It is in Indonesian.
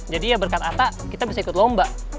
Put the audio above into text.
jadi ya berkat ata kita bisa ikut lomba